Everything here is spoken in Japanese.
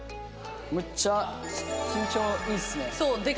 めっちゃ身長いいっすね。